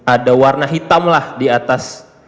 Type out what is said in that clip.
ada warna hitam lah di atas